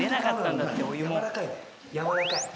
やわらかい。